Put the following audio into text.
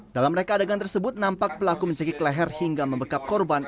dalam reka adegan tersebut nampak pelaku mencekik leher hingga membekap korban